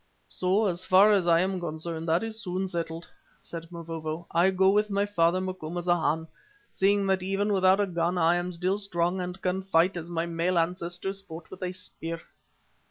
"So far as I am concerned that is soon settled," said Mavovo. "I go with my father, Macumazana, seeing that even without a gun I am still strong and can fight as my male ancestors fought with a spear."